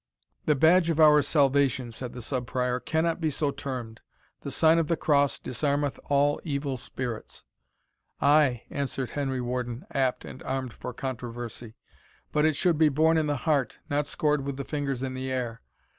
"The badge of our salvation," said the Sub Prior, "cannot be so termed the sign of the cross disarmeth all evil spirits." "Ay," answered Henry Warden, apt and armed for controversy, "but it should be borne in the heart, not scored with the fingers in the air.